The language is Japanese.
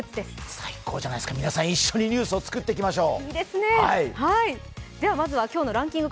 最高じゃないですか皆さん一緒にニュースをまずは１０位です。